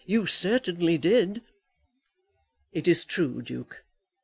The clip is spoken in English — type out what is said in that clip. You certainly did." "It is true, Duke.